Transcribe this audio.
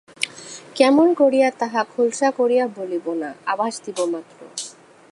কেমন করিয়া, তাহা খোলসা করিয়া বলিব না, আভাস দিব মাত্র।